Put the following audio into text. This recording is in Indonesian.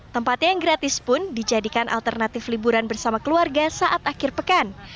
tempatnya yang gratis pun dijadikan alternatif liburan bersama keluarga saat akhir pekan